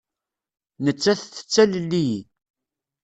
Nettat tettalel-iyi.